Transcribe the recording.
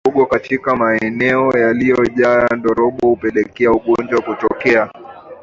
Kulishia mifugo katika maeneo yaliyojaa ndorobo hupelekea ugonjwa kutokea